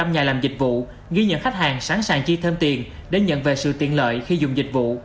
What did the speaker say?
bốn mươi bốn nhà làm dịch vụ ghi nhận khách hàng sẵn sàng chi thêm tiền để nhận về sự tiện lợi khi dùng dịch vụ